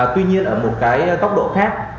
tuy nhiên ở một cái tốc độ khác